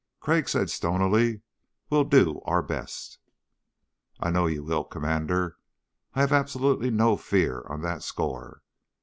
Crag said stonily: "We'll do our best." "I know you will, Commander. I have absolutely no fear on that score.